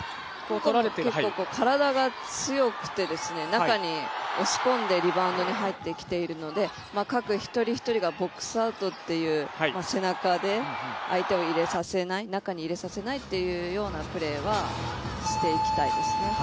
体が強くて中に押し込んでリバウンドに入ってきているので各一人一人がボックスアウトという背中で相手を中に入れさせないというプレーは、していきたいですね。